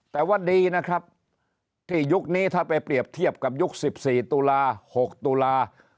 แต่ว่าดีนะครับที่ยุคนี้ถ้าไปเปรียบเทียบกับยุค๑๔ตุลา๖ตุลา